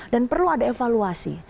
dan perlu ada evaluasi